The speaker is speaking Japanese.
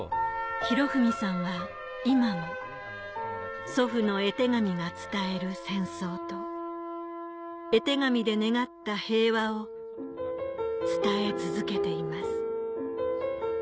博文さんは今も祖父の絵手紙が伝える戦争と絵手紙で願った平和を伝え続けています